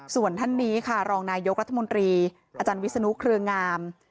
ส่วนท่านนี้ค่ะรองนายกรัฐมนตรีอาจารย์วิศนุเครืองาม